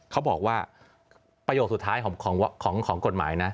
เขาบอกว่าประโยคสุดท้ายของกฎหมายนะ